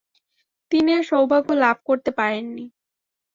তিনি এ সৌভাগ্য লাভ করতে পারেননি।